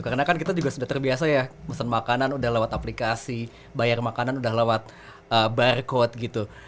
karena kan kita juga sudah terbiasa ya mesen makanan sudah lewat aplikasi bayar makanan sudah lewat barcode gitu